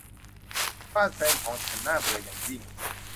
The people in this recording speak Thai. บ้านแฟนของฉันน่าเบื่ออย่างยิ่ง